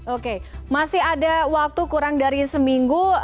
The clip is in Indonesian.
oke masih ada waktu kurang dari seminggu